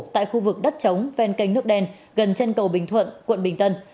tại khu vực đất trống ven kênh nước đen gần chân cầu bình thuận quận bình tân